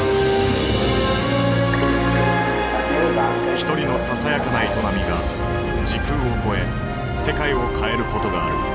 一人のささやかな営みが時空を超え世界を変えることがある。